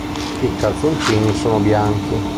I calzoncini sono bianchi.